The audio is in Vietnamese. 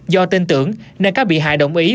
do tin tưởng nên các bị hại đồng ý